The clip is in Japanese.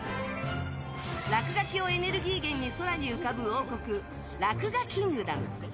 ラクガキをエネルギー源に空に浮かぶ王国ラクガキングダム。